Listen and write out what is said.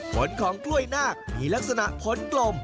ผลของกล้วยนาคมีลักษณะผลกลม